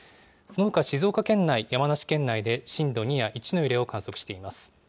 そのほか静岡県内、山梨県内で震度２や１の揺れを観測しています。